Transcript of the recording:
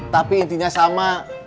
tapi intinya sama